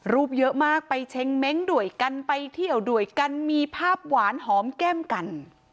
รูปเยอะมากไปเช็งเม้งด้วยกันไปเที่ยวด้วยกันมีภาพหวานหอมแก้มกัน